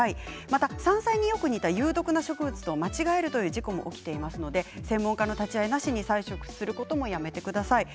また山菜によく似た有毒な植物と間違えるという事故も起きていますので専門家の立ち会いなしに採取することもやめてください。